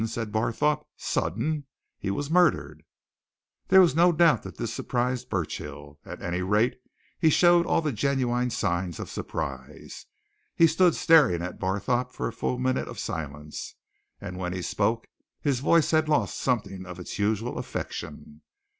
said Barthorpe. "Sudden? He was murdered!" There was no doubt that this surprised Burchill. At any rate, he showed all the genuine signs of surprise. He stood staring at Barthorpe for a full minute of silence, and when he spoke his voice had lost something of its usual affectation.